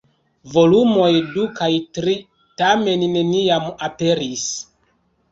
Volumoj du kaj tri, tamen, neniam aperis.